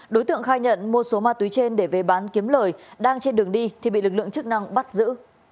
đối tượng khai nhận mua số ma túy trên để về bán kiếm lời đang trên đường đi thì bị lực lượng chức năng bắt giữ